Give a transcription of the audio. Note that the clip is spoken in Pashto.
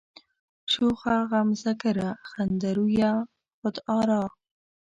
شوخه غمزه گره، خنده رویه، خود آرا